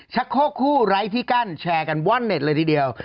โคกคู่ไร้ที่กั้นแชร์กันว่อนเน็ตเลยทีเดียว